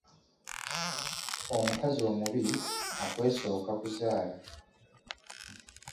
Omukazi omubi akwesooka kuzaala.